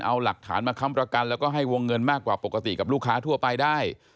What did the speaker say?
เอาหลักฐานมาค้ำประกันแล้วก็ให้วงเงินมากกว่าปกติกับลูกค้าทั่วไปได้